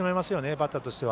バッターとしては。